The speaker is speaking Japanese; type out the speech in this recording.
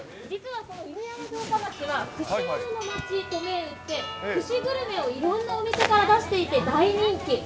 実はこの犬山城下町は串物の町と銘打って、串グルメをいろんなお店から出していて、大人気。